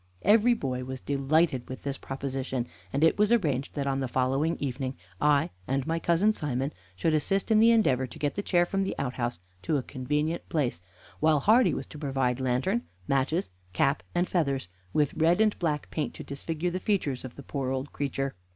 Every boy was delighted with this proposition, and it was arranged that on the following evening I and my cousin Simon should assist in the endeavor to get the chair from the outhouse to a convenient place, while Hardy was to provide lantern, matches, cap, and feathers, with red and black paint to disfigure the features of the poor old creature.